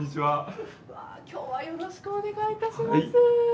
今日はよろしくお願いいたします。